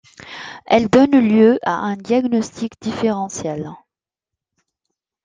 Elle donne lieu à un diagnostic différentiel.